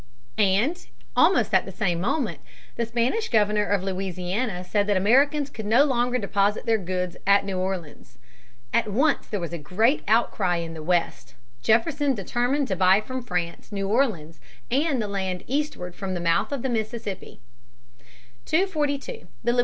And almost at the same moment the Spanish governor of Louisiana said that Americans could no longer deposit their goods at New Orleans (p. 170). At once there was a great outcry in the West. Jefferson determined to buy from France New Orleans and the land eastward from the mouth of the Mississippi. [Illustration: JACKSON SQUARE, NEW ORLEANS.] [Illustration: ROBERT R. LIVINGSTON.